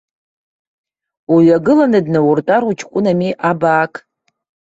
Уҩагыланы днауртәар, уҷкәынами, абаак.